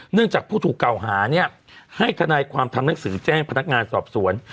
จากผู้ถูกเก่าหาเนี่ยให้ทนายความทำหนังสือแจ้งพนักงานสอบสวน